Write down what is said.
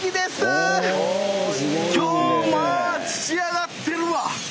今日まあ仕上がってるわ。